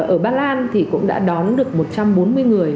ở ba lan thì cũng đã đón được một trăm bốn mươi người